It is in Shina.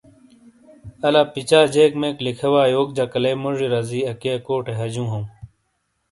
الا پچا جیک میک لکھے وا یوک جکالے موڙی رزی اکی اکوٹے ہجوں ہوں ۔